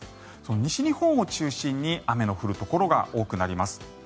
西日本を中心に雨の降るところが多くなります。